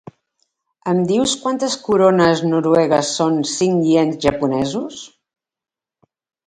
Em dius quantes corones noruegues són cinc iens japonesos?